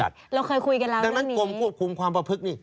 เราเคยคุยกันแล้วดังนั้นกรมควบคุมความประพฤกษนี่